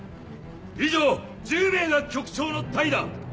以上１０名が局長の隊だ。